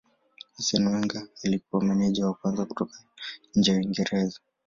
Arsenal Wenger alikuwa meneja wa kwanza kutoka nje ya Uingereza.